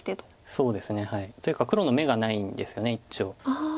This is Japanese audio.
そうですね。というか黒の眼がないんです一応。